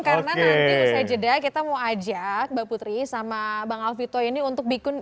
karena nanti usai jeda kita mau ajak mbak putri sama bang alfito ini untuk bikun